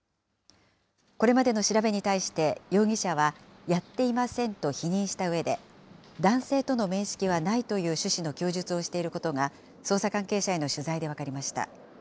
これまでの調べに対して、容疑者は、やっていませんと否認したうえで、男性との面識はないという趣旨の供述をしていることが、捜査関係者への取材で分かりました。